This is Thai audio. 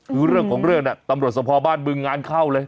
คือเรื่องของเรื่องน่ะตำรวจสภบ้านบึงงานเข้าเลย